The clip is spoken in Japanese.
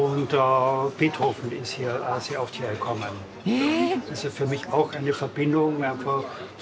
え！